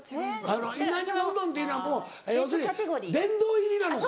稲庭うどんっていうのはもう要するに殿堂入りなのか。